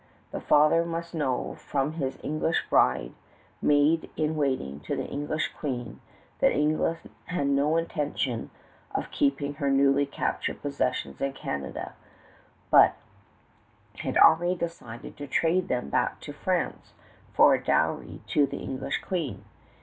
The father must know from his English bride maid in waiting to the English Queen that England had no intentions of keeping her newly captured possessions in Canada, but had already decided to trade them back to France for a dowry to the English Queen.